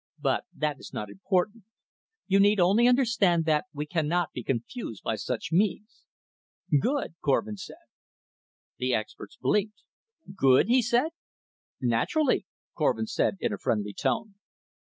But that is not important. You need only understand that we cannot be confused by such means." "Good," Korvin said. The experts blinked. "Good?" he said. "Naturally," Korvin said in a friendly tone.